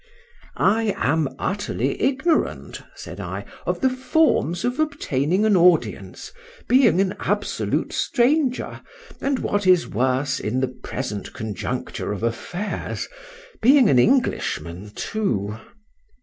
—I am utterly ignorant, said I, of the forms of obtaining an audience, being an absolute stranger, and what is worse in the present conjuncture of affairs, being an Englishman too.